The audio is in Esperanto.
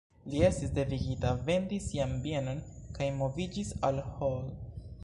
Li estis devigita vendi sian bienon kaj moviĝis al Hall.